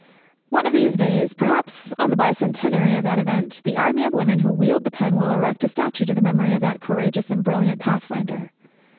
One of these days, perhaps on the bi centenary of that event, the army of women who wield the pen will erect a statue to the memory of that courageous and brilliant pathfinder.